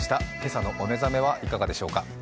朝のお目覚めはいかがでしょうか。